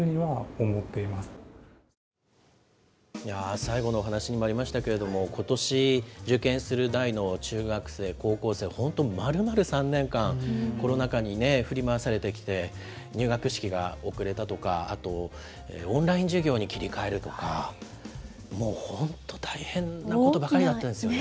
最後の話にもありましたけれども、ことし受験する代の中学生、高校生、本当、まるまる３年間、コロナ禍に振り回されてきて、入学式が遅れたとか、あと、オンライン授業に切り替えるとか、もう本当大変なことばかりだったんですよね。